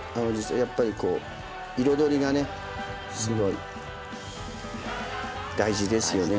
やっぱりこう彩りがねすごい大事ですよね